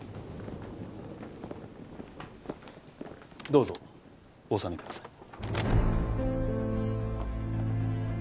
どうぞお納めください。